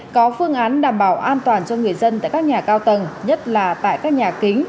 có phương án đảm bảo an toàn cho người dân tại các nhà cao tầng nhất là tại các nhà kính